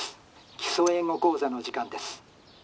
『基礎英語講座』の時間です」。